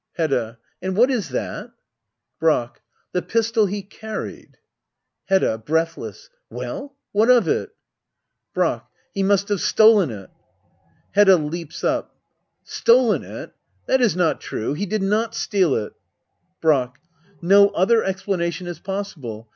Hedda. And what is that ? Brack. The pistol he carried Hedda. [Breathless.] Well? What of it? Brack. He must have stolen it. Hedda. i Leaps up,] Stolen it ! That is not true ! He not steal it ! Brack. No other explanation is possible.